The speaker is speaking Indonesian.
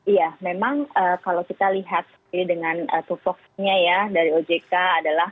iya memang kalau kita lihat ini dengan tupoknya ya dari ojk adalah